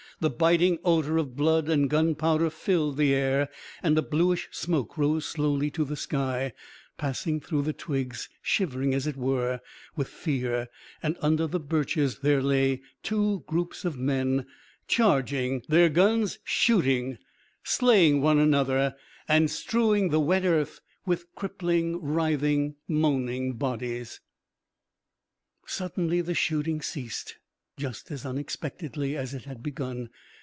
The biting odour of blood and gun powder filled the air, and a bluish smoke rose slowly to the sky, passing through the twigs shivering, as it were, with fear, and under the birches there lay two groups of men, charging their guns, shooting, slaying one another, and strewing the wet earth with crippled, writhing, moaning bodies. Suddenly the shooting ceased just as unexpectedly as it had begun.